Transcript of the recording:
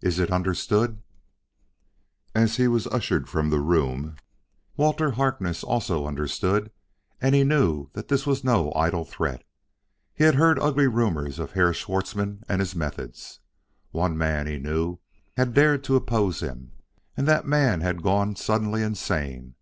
Is it understood?" As he was ushered from the room, Walter Harkness also understood, and he knew that this was no idle threat. He had heard ugly rumors of Herr Schwartzmann and his methods. One man, he knew, had dared to oppose him and that man had gone suddenly insane.